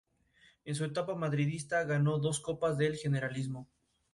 Posiblemente regresó a su ciudad natal, Tesalónica.